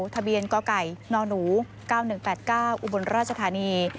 ทะเบียนกไก่นหนู๙๑๘๙อุบลราชธานี